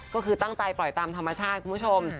ก็คือตั้งใจปล่อยตามธรรมชาติคุณผู้ชม